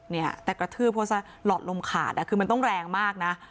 เนี่ยแต่กระทืบเพราะซะหลอดลมขาดคือมันต้องแรงมากนะ